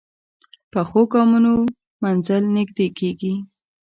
پخو ګامونو منزل نږدې کېږي